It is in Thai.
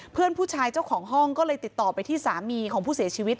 เพื่อนผู้ชายเจ้าของห้องก็เลยติดต่อไปที่สามีของผู้เสียชีวิต